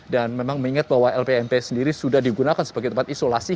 dan memang mengingat bahwa lpmp sendiri sudah digunakan sebagai tempat isolasi